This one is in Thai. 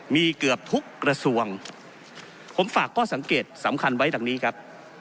มีเกือบทุกกระทรวงผมฝากข้อสังเกตสำคัญไว้ดังนี้ครับ